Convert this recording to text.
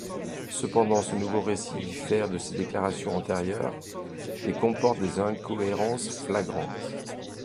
Cependant, ce nouveau récit diffère de ses déclarations antérieures et comporte des incohérences flagrantes.